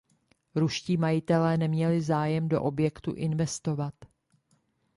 Ruští majitelé neměli zájem do objektu investovat.